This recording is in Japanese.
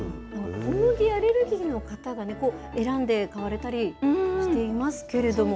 小麦アレルギーの方が選んで買われたりしていますけれども。